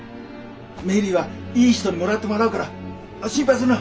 メリーはいい人にもらってもらうから心配するな。